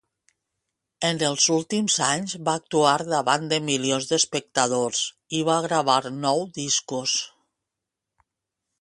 En els últims anys va actuar davant de milions d'espectadors i va gravar nou discos.